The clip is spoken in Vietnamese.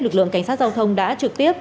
lực lượng cảnh sát giao thông đã trực tiếp